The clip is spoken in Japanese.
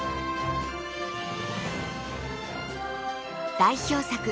代表作